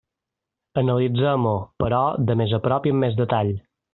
Analitzem-ho, però, de més a prop i amb més detall.